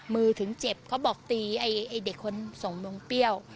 มือถึงเจ็บเขาบอกตีไอ้เด็กคนส่งลงเปรี้ยว